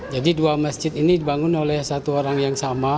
jadi dua masjid ini dibangun oleh satu orang yang sama